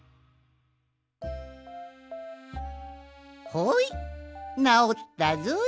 ほいなおったぞい。